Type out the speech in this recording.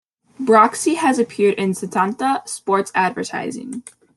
Broxi has appeared in Setanta Sports advertising.